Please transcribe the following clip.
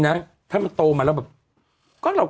ลงดาลงดารา